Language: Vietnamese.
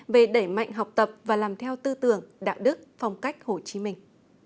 về đẩy mạnh học tập và làm theo tư tưởng đạo đức phong cách hồ chí minh